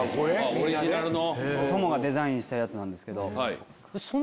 オリジナルの。